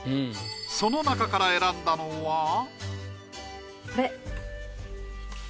その中から選んだのは。